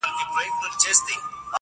هغه خپل مخ مخامخ لمر ته کړي و ماته گوري,